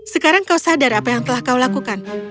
sekarang kau sadar apa yang telah kau lakukan